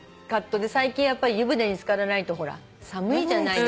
最近湯船に漬からないとほら寒いじゃないですか。